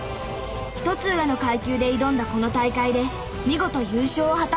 １つ上の階級で挑んだこの大会で見事優勝を果たすと。